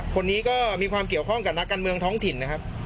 คนนี้ก็มีความเกี่ยวข้องกับนักการเมืองท้องถิ่นนะครับ